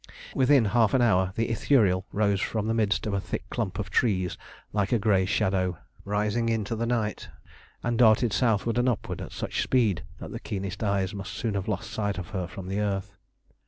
Within half an hour the Ithuriel rose from the midst of a thick clump of trees like a grey shadow rising into the night, and darted southward and upward at such a speed that the keenest eyes must soon have lost sight of her from the earth.